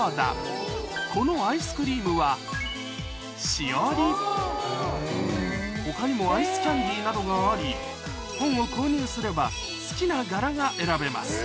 それがこちらさらに他にもアイスキャンディーなどがあり本を購入すれば好きな柄が選べます